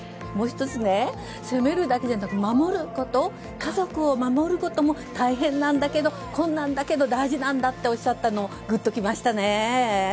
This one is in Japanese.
もう１つね、攻めるだけじゃなく守ること、家族を守ることも大変なんだけど困難なんだけど大事なんだっておっしゃったのぐっときましたね。